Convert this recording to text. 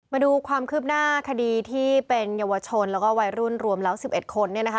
มาดูความคืบหน้าคดีที่เป็นเยาวชนและวัยรุ่นรวมแล้ว๑๑คน